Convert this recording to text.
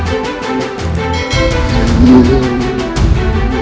atau menolong anak itu